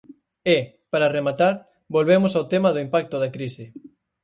E, para rematar, volvemos ao tema do impacto da crise.